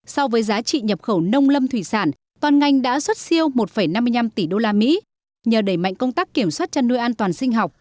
so với giá trị nhập khẩu nông lâm thủy sản toàn ngành đã xuất siêu một năm mươi năm tỷ usd nhờ đẩy mạnh công tác kiểm soát chăn nuôi an toàn sinh học